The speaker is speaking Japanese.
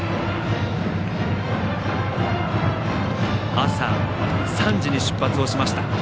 朝３時に出発をしました。